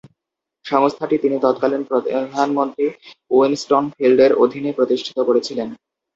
সংস্থাটি তিনি তৎকালিন প্রধানমন্ত্রী উইনস্টন ফিল্ডের অধীনে প্রতিষ্ঠিত করেছিলেন।